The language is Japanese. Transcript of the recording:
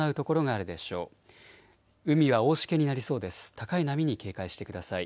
高い波に警戒してください。